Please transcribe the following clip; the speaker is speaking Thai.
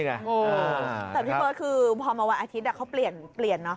แต่พี่เบิร์ตคือพอมาวันอาทิตย์เขาเปลี่ยนเนาะ